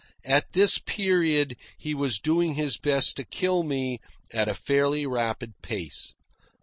At this period he was doing his best to kill me at a fairly rapid pace.